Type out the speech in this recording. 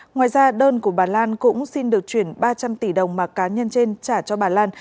ngoài ra đơn của bà lan cũng xin được chuyển ba trăm linh tỷ đồng mà cá nhân trên trả cho bà lan